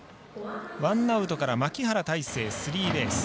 ワンアウトから牧原大成スリーベース。